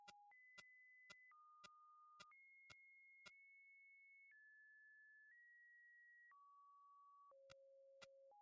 সেখানে কয়েকটি দ্বীপ রয়েছে যা আযযাবিজ দ্বীপপুঞ্জ নামে অভিহিত হয়ে থাকে।